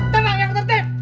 tenang ya menteri